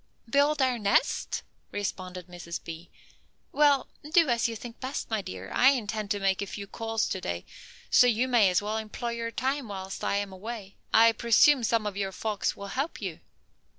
"Build our nest?" responded Mrs. B. "Well, do as you think best, my dear. I intend to make a few calls to day, so you may as well employ your time whilst I am away. I presume some of your folks will help you."